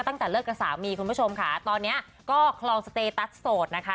ตั้งแต่เลิกกับสามีคุณผู้ชมค่ะตอนนี้ก็คลองสเตตัสโสดนะคะ